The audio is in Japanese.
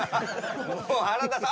もう原田さん